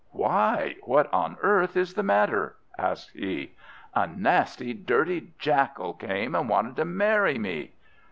"Why, what on earth is the matter?" asked he. "A nasty, dirty Jackal came, and wanted to marry me!"